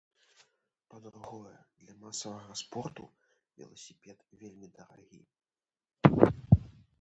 Па-другое, для масавага спорту веласіпед вельмі дарагі.